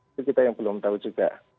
itu kita yang belum tahu juga